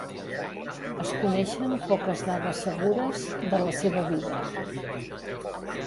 Es coneixen poques dades segures de la seva vida.